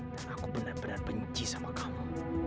dan aku benar benar benci sama kamu